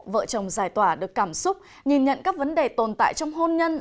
vợ chồng giải tỏa được cảm xúc nhìn nhận các vấn đề tồn tại trong hôn nhân